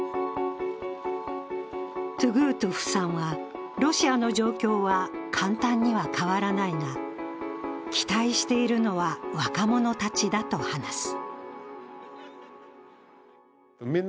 トゥグートフさんは、ロシアの状況は簡単には変わらないが期待しているのは若者たちだと話す。